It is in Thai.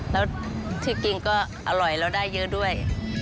แล้วที่จริงก็อร่อยแล้วได้เยอะด้วย